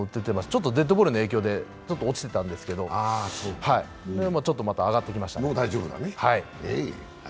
ちょっとデッドボールの影響で落ちてたんですけど、ちょっとまた上がってきましたね。